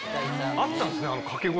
あったんですね掛け声。